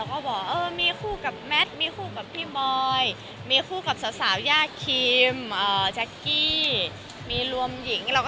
ก็บอกเออมีคู่กับแมทมีคู่กับพี่บอยมีคู่กับสาวย่าคิมแจ๊กกี้มีรวมหญิง